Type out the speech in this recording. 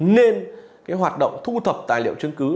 nên hoạt động thu thập tài liệu chứng cứ